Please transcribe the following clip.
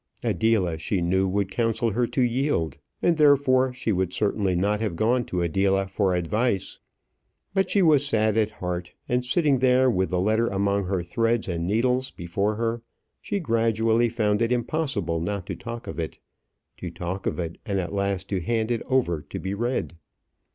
Adela she knew would counsel her to yield, and therefore she would certainly not have gone to Adela for advice. But she was sad at heart; and sitting there with the letter among her threads and needles before her, she gradually found it impossible not to talk of it to talk of it, and at last to hand it over to be read.